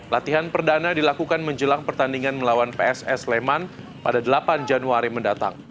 latihan perdana dilakukan menjelang pertandingan melawan pss leman pada delapan januari mendatang